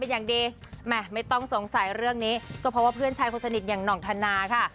ยังเลยค่ะค่ะยังเลยค่ะ